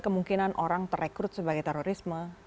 kemungkinan orang terekrut sebagai terorisme